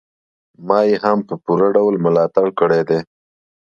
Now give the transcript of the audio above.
ما يې هم په پوره ډول ملاتړ کړی دی.